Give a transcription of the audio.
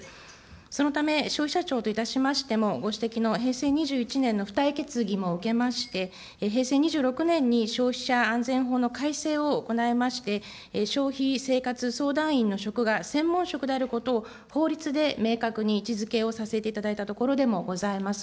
そのため、消費者庁といたしましても、ご指摘の平成２１年の付帯決議も受けまして、平成２６年に消費者安全法の改正を行いまして、消費生活相談員の職が専門職であることを法律で明確に位置づけをさせていただいたところでもございます。